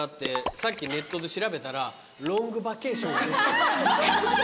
さっきネットで調べたら『ロングバケーション』が。